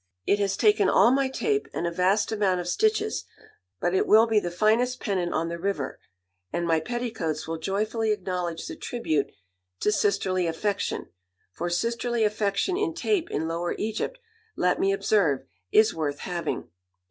It has taken all my tape, and a vast amount of stitches, but it will be the finest pennant on the river, and my petticoats will joyfully acknowledge the tribute to sisterly affection, for sisterly affection in tape in Lower Egypt, let me observe, is worth having."